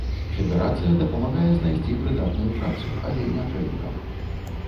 Федэрацыя дапамагае знайсці прыдатную працу, але не трэнерам.